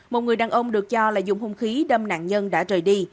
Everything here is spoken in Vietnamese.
một người đàn ông được cho là dùng hông khí đâm nạn nhân đã trời đi